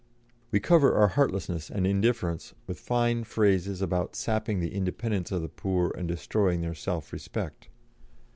We cover our heartlessness and indifference with fine phrases about sapping the independence of the poor and destroying their self respect.